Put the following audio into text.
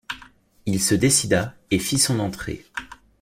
Il se décida, et fit son entrée.